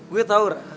gue tau rah